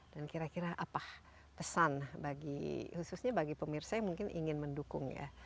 dan kira kira apa pesan khususnya bagi pemirsa yang mungkin ingin mendukung ya